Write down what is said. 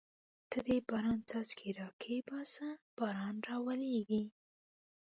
ته د باران څاڅکي را کښېباسه باران راولېږه.